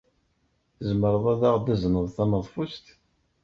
Tzemreḍ ad aɣ-d-tazneḍ taneḍfust?